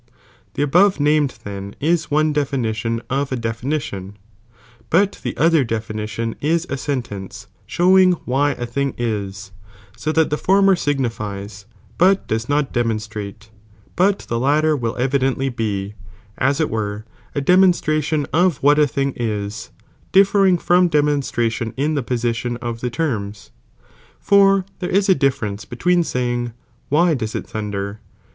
The above named then is one definition of a 3 oiihow.iu definition, but the other definition is a sentence =»"«.* ^i* showing why a thing is, so that the former signifies, but does not demonstrate, but the latter will evi dently be, as it were, a demonstration of what a thing is, dif fering from demonstration in the position (of the terms). For there is a difference between saying, why does it thunder